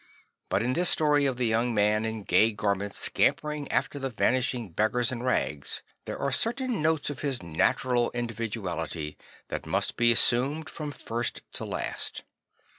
But in this story of the young man in gay garments scampering after the vanishing beggar in rags there are certain notes of his natural individuality that must be assumed from first to last.